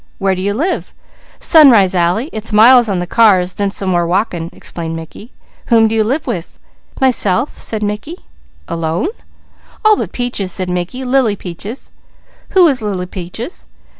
"Where do you live?" "Sunrise Alley. It's miles on the cars, then some more walking," explained Mickey. "Whom do you live with?" "Myself," said Mickey. "Alone?" "All but Peaches," said Mickey. "Lily Peaches." "Who is Lily Peaches?"